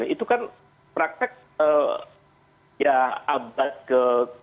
itu kan praktek abad ke tujuh belas delapan belas